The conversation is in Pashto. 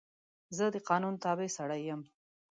زه د قانون تابع سړی یم.